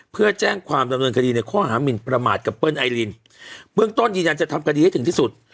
เพื่อแจ้งความดำเนินคดีในข้อหามินประมาทกับเปิ้ลไอลินเบื้องต้นยืนยันจะทำคดีให้ถึงที่สุด